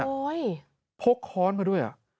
โอ้ยพกค้อนไปด้วย